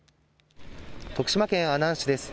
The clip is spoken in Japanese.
徳島県阿南市です。